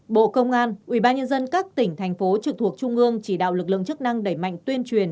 bộ công an ubnd các tỉnh thành phố trực thuộc trung ương chỉ đạo lực lượng chức năng đẩy mạnh tuyên truyền